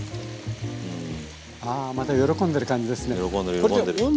あまた喜んでる感じですね。